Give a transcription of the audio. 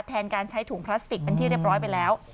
แทนการใช้ถุงพลาสติกเป็นที่เรียบร้อยไปแล้ว